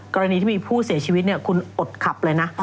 กรณีที่มีผู้เสียชีวิตคุณอดขับเลยนะ